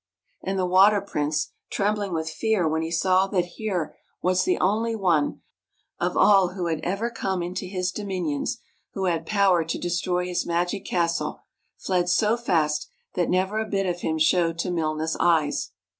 And the Water Prince, trembling with fear when he saw* that here was the only one, of all who had ever come into his dominions, who had power to destroy his magic castle, fled so fast that never a bit of him showed to Milna's eyes.